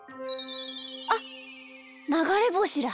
あっながれぼしだ。